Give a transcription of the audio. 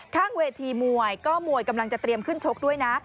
ข้างเวทีมวยก็มวยกำลังจะเตรียมขึ้นชกด้วยนะ